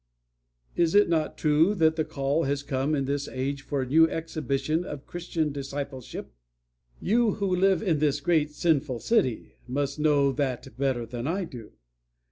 "Is it not true that the call has come in this age for a new exhibition of Christian discipleship? You who live in this great sinful city must know that better than I do.